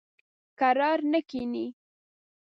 کرار نه کیني.